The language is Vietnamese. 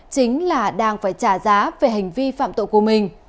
chính là đang phải trả giá về hành vi phạm tội của mình